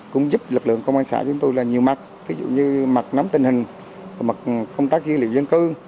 cũng giúp lực lượng công an xã chúng tôi là nhiều mặt ví dụ như mặt nắm tình hình mặt công tác dữ liệu dân cư